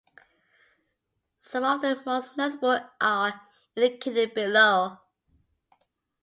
Some of the most notable are indicated below.